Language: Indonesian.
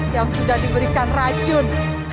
yang sudah diberikan racun